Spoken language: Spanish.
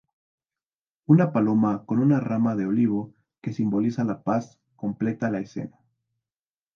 Una paloma con una rama de olivo, que simboliza la paz, completa la escena.